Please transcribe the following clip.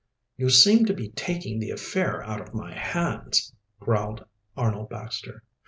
"You seem to be taking the affair out of my hands," growled Arnold Baxter.